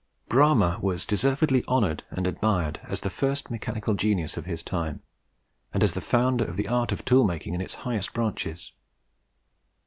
Bramah was deservedly honoured and admired as the first mechanical genius of his time, and as the founder of the art of tool making in its highest branches.